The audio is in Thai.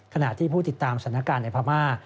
ขณะที่ผู้ติดตามสถานการณ์ในพม่า